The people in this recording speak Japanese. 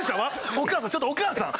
お母さんちょっとお母さん。